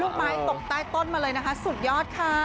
ไม้ตกใต้ต้นมาเลยนะคะสุดยอดค่ะ